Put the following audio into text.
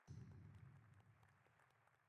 نن مې مور يوه پيرزوينه راته ډالۍ کړه